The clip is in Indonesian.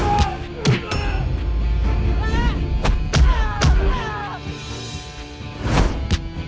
woy jangan lari woy